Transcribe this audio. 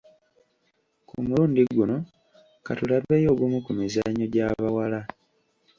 Ku mulundi guno ka tulabeyo ogumu ku mizannyo gy’abawala.